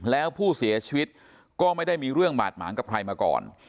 แล้วผู้เสียชีวิตก็ไม่ได้มีเรื่องบาดหมางกับใครมาก่อน